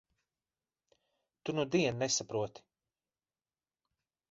Tu nudien nesaproti.